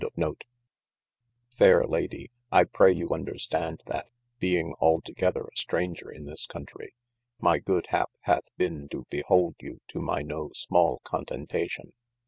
P *Ayre Lady I pray you understande that (being altogether a straunger in this Countrie) my good happe hath bene to behold you to my no small contentation.